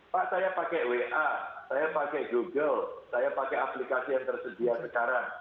pak saya pakai wa saya pakai google saya pakai aplikasi yang tersedia sekarang